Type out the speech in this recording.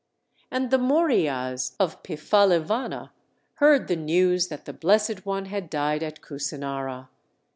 And the Moriyas of Pipphalivana heard the news that the Blessed One had died at Kusinara.